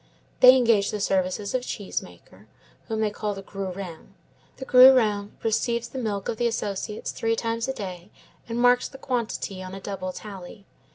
'They engage the services of a cheese maker, whom they call the grurin; the grurin receives the milk of the associates three times a day, and marks the quantity on a double tally.